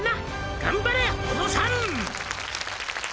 「頑張れ小野さん」